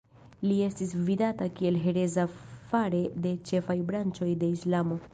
Li estis vidata kiel hereza fare de ĉefaj branĉoj de Islamo.